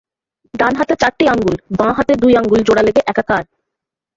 ডান হাতে চারটি আঙুল, বাঁ হাতে দুই আঙুল জোড়া লেগে একাকার।